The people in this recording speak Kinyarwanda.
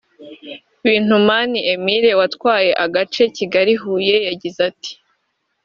Bintunimana Emile watwaye agace Kigali -Huye we yagize ati